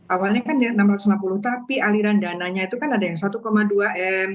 awalnya kan enam ratus lima puluh tapi aliran dananya itu kan ada yang satu dua m